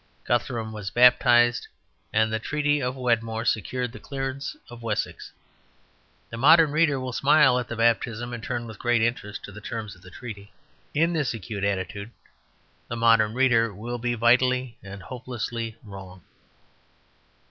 Guthrum was baptized, and the Treaty of Wedmore secured the clearance of Wessex. The modern reader will smile at the baptism, and turn with greater interest to the terms of the treaty. In this acute attitude the modern reader will be vitally and hopelessly wrong.